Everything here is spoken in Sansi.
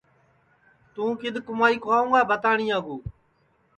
توں کِدؔ کُمائی کھوائوں گا بھتانیا کُو